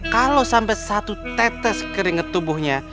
kalau sampai satu tetes keringet tubuhnya